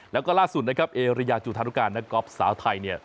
แล้วก็ล่าสุดนะครับเอเรียจุธานุการนักกอล์ฟสาวไทยเนี่ย